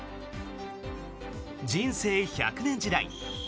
人生１００年時代